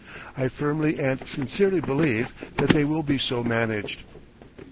I firmly and sincerely believe that they will be so managed.